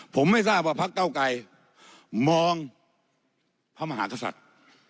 ผมไม่ทราบว่าพักเก้าไกรมองพระมหากษัตริย์